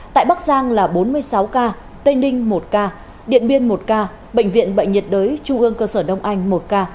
tại bắc giang là bốn mươi sáu ca tây ninh một ca điện biên một ca bệnh viện bệnh nhiệt đới trung ương cơ sở đông anh một ca